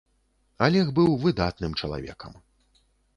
Алег быў выдатным чалавекам.